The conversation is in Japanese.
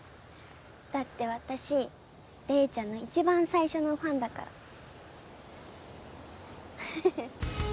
だって私玲ちゃんの一番最初のファンフフフ！